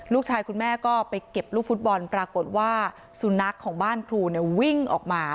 คุณแม่ก็ไปเก็บลูกฟุตบอลปรากฏว่าสุนัขของบ้านครูเนี่ยวิ่งออกมา